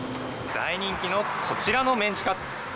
大人気のこちらのメンチカツ。